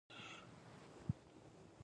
د کمپکشن ټسټ باید اته نوي سلنه وي